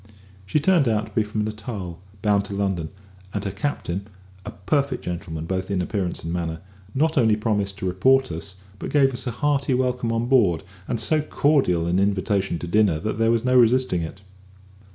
She turned out to be from Natal, bound to London; and her captain (a perfect gentleman both in appearance and manner) not only promised to report us, but gave us a hearty welcome on board, and so cordial an invitation to dinner that there was no resisting it.